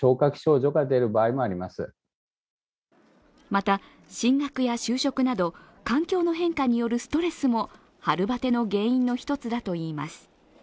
また、進学や就職など環境の変化によるストレスも春バテの原因の一つだといいます。